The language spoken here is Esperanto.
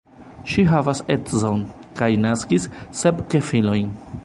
Ŝi havas edzon, kaj naskis sep gefilojn.